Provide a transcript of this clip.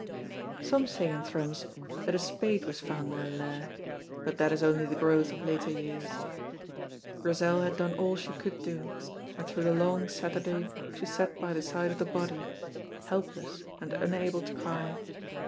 Some say in Thrums that a spade was found in the Lair, but that is only the growth of later years. Grizel had done all she could do, and through the long Saturday she sat by the side of the body, helpless and unable to cry.